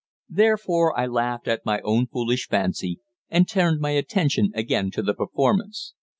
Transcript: Therefore I laughed at my own foolish fancy, and turned my attention again to the performance.